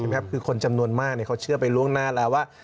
ใช่ไหมครับคือคนจำนวนมากเขาเชื่อไปร่วงหน้าละว่า